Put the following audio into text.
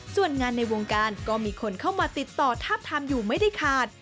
ส่วนงานในวงการก็มีคนเข้ามาติดต่อทาบทามอยู่ไม่ได้ขาด